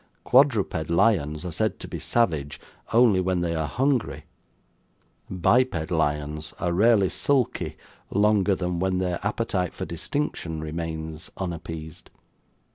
Quadruped lions are said to be savage, only when they are hungry; biped lions are rarely sulky longer than when their appetite for distinction remains unappeased.